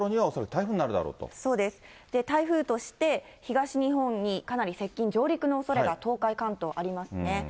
台風として東日本にかなり接近、上陸のおそれが東海、関東ありますね。